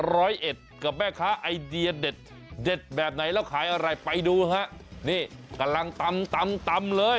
ร้อยเอ็ดกับแม่ค้าไอเดียเด็ดเด็ดแบบไหนแล้วขายอะไรไปดูฮะนี่กำลังตำตำตำเลย